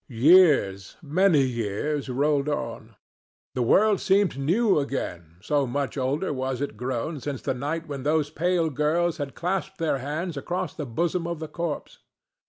Years—many years—rolled on. The world seemed new again, so much older was it grown since the night when those pale girls had clasped their hands across the bosom of the corpse.